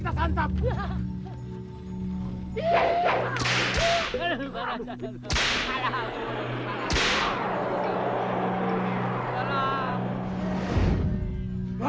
udah jadi orang kita